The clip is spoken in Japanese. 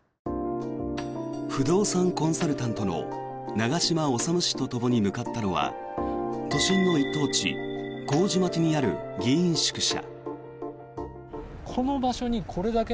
不動産コンサルタントの長嶋修氏とともに向かったのは都心の一等地、麹町にある議員宿舎。